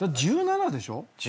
１７でしょ？